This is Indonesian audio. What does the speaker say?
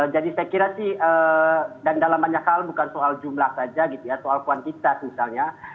jadi saya kira dalam banyak hal bukan soal jumlah saja soal kuantitas misalnya